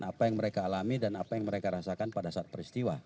apa yang mereka alami dan apa yang mereka rasakan pada saat peristiwa